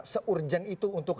se urgen itu untuk